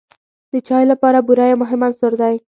د چای لپاره بوره یو مهم عنصر دی.